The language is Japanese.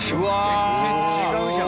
全然違うじゃん。